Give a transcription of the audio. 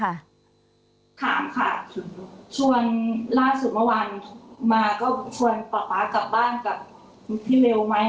ถามค่ะชวนล่าสุดเมื่อวานมาก็ชวนป๊าป๊ากลับบ้านกับพี่เวลไหม